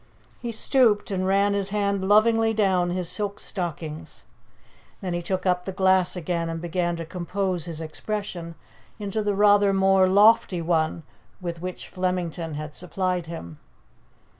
He stooped and ran his hand lovingly down his silk stockings. Then he took up the glass again and began to compose his expression into the rather more lofty one with which Flemington had supplied him.